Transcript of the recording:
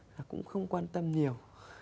là cũng không quan tâm nhiều